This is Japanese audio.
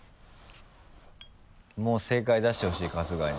もう正解出してほしい春日に。